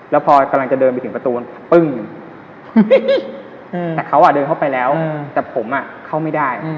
แล้วพอกำลังจะเดินไปถึงประตูปึ้งแต่เขาเดินเข้าไปแล้วแต่ผมเข้าไม่ได้